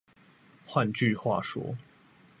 換句話說